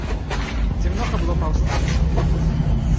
Ці многа было паўстанцаў?